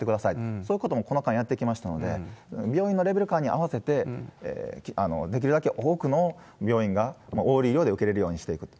そういうこともこの間、やってきましたので、病院のレベル感に合わせて、できるだけ多くの病院がオール医療で受け入れるようにしていくと。